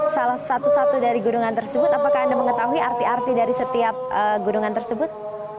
salah satu satu dari gunungan tersebut apakah anda mengetahui arti arti dari setiap gunungan tersebut